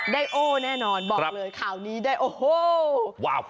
ได้โอ้แน่นอนบอกเลยข่าวนี้ได้โอ้โหวาบ